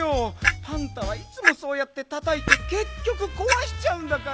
パンタはいつもそうやってたたいてけっきょくこわしちゃうんだから。